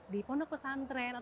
di pondok pesantren